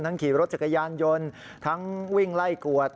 ขี่รถจักรยานยนต์ทั้งวิ่งไล่กวด